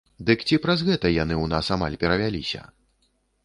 Дык ці праз гэта яны ў нас амаль перавяліся?